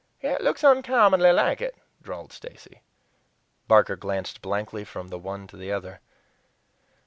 "It looks uncommonly like it," drawled Stacy. Barker glanced blankly from the one to the other.